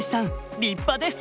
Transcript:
立派です